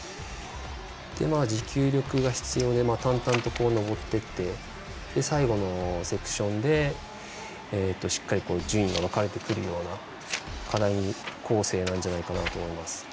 持久力が必要で淡々と登っていって最後のセクションでしっかり順位が分かれてくるような課題構成じゃないかなと思います。